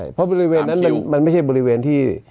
เพราะบริเวณนั้นมันไม่ใช่บริเวณที่